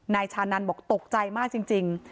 ชานันบอกตกใจมากจริง